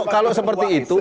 kalau seperti itu